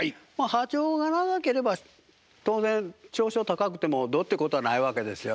波長が長ければ当然少々高くてもどうってことはないわけですよね。